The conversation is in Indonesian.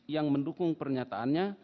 yang mendukung pernyataannya